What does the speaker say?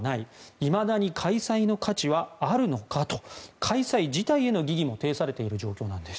いまだに開催の価値はあるのか？と開催自体への疑義も呈されている状況なんです。